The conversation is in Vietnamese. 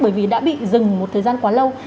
bởi vì đã bị dừng một thời gian quá lâu